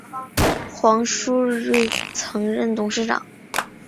黄书锐曾任董事长。